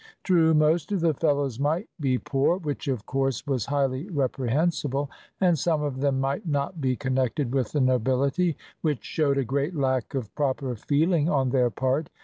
True, most of the fellows might be poor which, of course, was highly reprehensible; and some of them might not be connected with the nobility, which showed a great lack of proper feeling on their part.